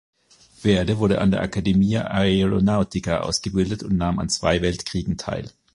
Verde wurde an der Accademia Aeronautica ausgebildet und nahm am Zweiten Weltkrieg teil.